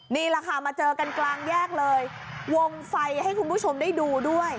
นี่แหละค่ะมาเจอกันกลางแยกเลยวงไฟให้คุณผู้ชมได้ดูด้วย